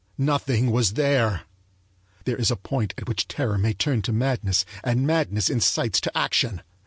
Nothing was there! There is a point at which terror may turn to madness; and madness incites to action.